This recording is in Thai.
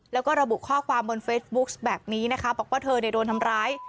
แล้วก็ระบุข้อความบนเฟซบุ๊คแบบนี้นะคะบอกว่าเธอโดนทำร้าย